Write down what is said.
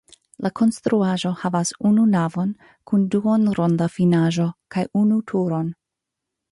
La konstruaĵo havas unu navon kun duonronda finaĵo kaj unu turon.